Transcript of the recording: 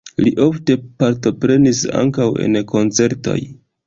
Li ofte partoprenis ankaŭ en koncertoj.